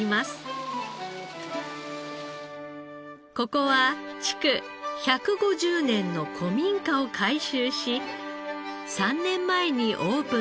ここは築１５０年の古民家を改修し３年前にオープンした宿。